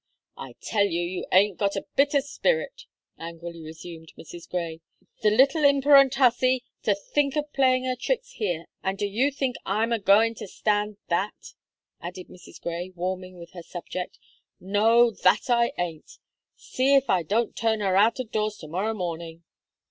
"I tell you, that you ain't got a bit of spirit," angrily resumed Mrs. Gray. "The little imperent hussy! to think of playing her tricks here! And do you think I'm agoing to stand that?" added Mrs. Gray, warming with her subject; "no, that I ain't! See if I don't turn her out of doors to morrow morning."